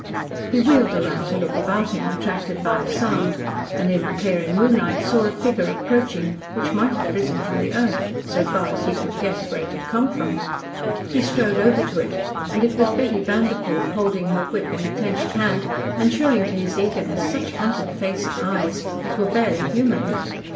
He wheeled around to look about him, attracted by a sound, and in the clearing moonlight saw a figure approaching which might have risen from the earth, so far as he could guess where it had come from. He strode over to it, and it was Betty Vanderpoel, holding her whip in a clenched hand and showing to his eagerness such hunted face and eyes as were barely human.